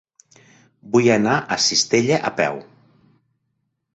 Vull anar a Cistella a peu.